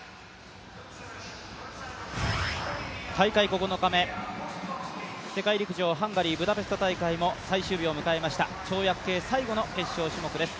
大会９日目、世界陸上ハンガリー・ブダペスト大会も最終日を迎えました、跳躍系最後の決勝種目です。